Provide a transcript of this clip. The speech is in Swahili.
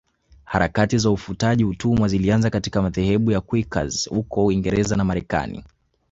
Harakati za ufutaji utumwa zilianza katika madhehebu ya Quakers huko Uingereza na Marekani